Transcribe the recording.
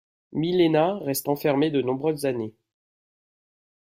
Mileena reste enfermée de nombreuses années.